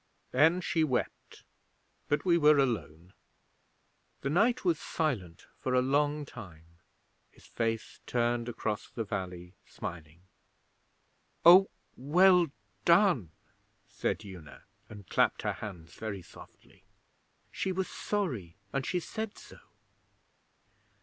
Then she wept, but we were alone.' The knight was silent for a long time, his face turned across the valley, smiling. 'Oh, well done!' said Una, and clapped her hands very softly. 'She was sorry, and she said so.'